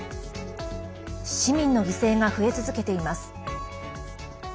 市民の犠牲が増え続けています。